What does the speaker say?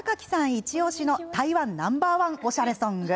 イチおしの台湾ナンバー１おしゃれソング。